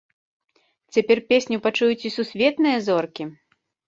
Цяпер песню пачуюць і сусветныя зоркі!